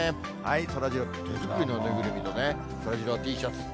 そらジロー、手作りの縫いぐるみのね、そらジローＴシャツ。